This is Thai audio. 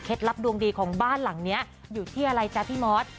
ลับดวงดีของบ้านหลังนี้อยู่ที่อะไรจ๊ะพี่มอส